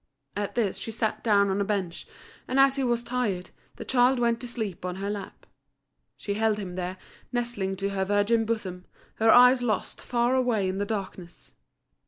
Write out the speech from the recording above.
At this she sat down on a bench; and as he was tired, the child went to sleep on her lap. She held him there, nestling to her virgin bosom, her eyes lost far away in the darkness.